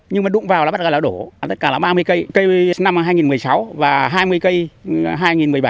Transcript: nhưng mà đụng vào là bắt gà là đổ tất cả là ba mươi cây năm hai nghìn một mươi sáu và hai mươi cây hai nghìn một mươi bảy